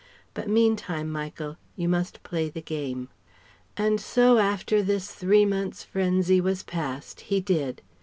But meantime, Michael, you must play the game." And so after this three months' frenzy was past, he did.